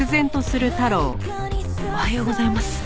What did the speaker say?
おはようございます。